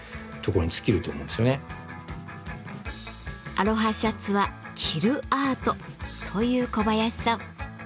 「アロハシャツは着るアート」という小林さん。